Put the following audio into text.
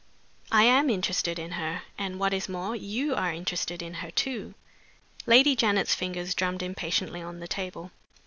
"I am interested in her. And, what is more, you are interested in her, too." Lady Janet's fingers drummed impatiently on the table.